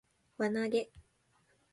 輪投げ